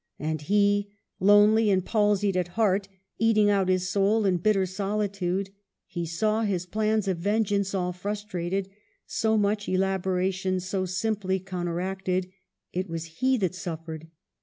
And he, lonely and palsied at heart, eating out his soul in bitter soli tude, he saw his plans of vengeance all frustrated, so much elaboration so simply counteracted ; it was he that suffered.